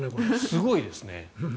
すごいですね。